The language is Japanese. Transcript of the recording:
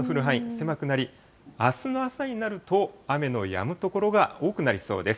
狭くなり、あすの朝になると、雨のやむ所が多くなりそうです。